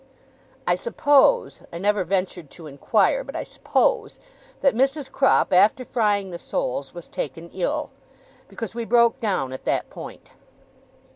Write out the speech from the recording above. I suppose I never ventured to inquire, but I suppose that Mrs. Crupp, after frying the soles, was taken ill. Because we broke down at that point.